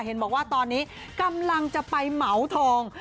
เห็นบอกว่าตอนนี้กำลังจะไปเหมาทอง